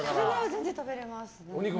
全然食べられます。